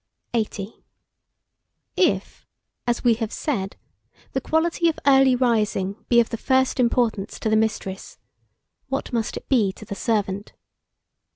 80. IF, AS WE HAVE SAID (3), THE QUALITY OF EARLY RISING be of the first importance to the mistress, what must it be to the servant!